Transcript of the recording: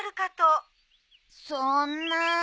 そんな。